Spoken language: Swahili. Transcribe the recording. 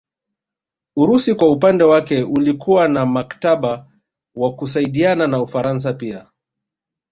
Urusi kwa upande wake ulikuwa na mkataba wa kusaidiana na Ufaransa pia